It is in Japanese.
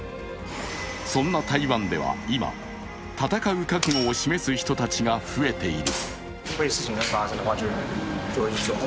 そんな台湾では今、戦う覚悟を示す人たちが増えている。